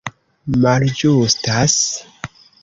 malĝustas